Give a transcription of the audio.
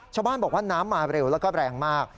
ชาวบ้านบอกว่าน้ำมาเร็วแล้วก็แรงมาก